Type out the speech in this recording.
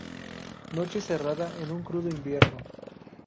Noche cerrada de un crudo invierno.